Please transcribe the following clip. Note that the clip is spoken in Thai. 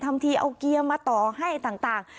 ทำทีเอาเกียร์มาต่อให้ต่าง